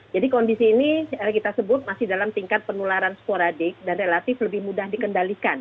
jadi kondisi ini yang kita sebut masih dalam tingkat penularan sporadik dan relatif lebih mudah dikendalikan